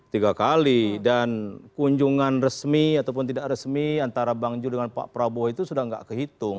tiga kali dan kunjungan resmi ataupun tidak resmi antara bang jul dengan pak prabowo itu sudah tidak kehitung